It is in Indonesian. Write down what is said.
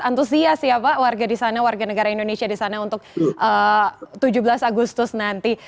antusias ya pak warga di sana warga negara indonesia di sana untuk tujuh belas agustus nanti